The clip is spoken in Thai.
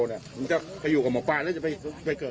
มึงจะไปอยู่กับหมอปลาแล้วจะไปเกิด